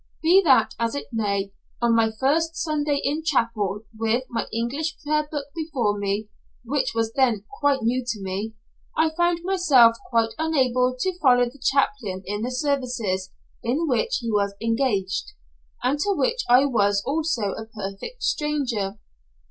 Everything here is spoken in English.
Be that as it may, on my first Sunday in chapel, with my English prayer book before me, which was then quite new to me, I found myself quite unable to follow the chaplain in the services in which he was engaged, and to which I was also a perfect stranger.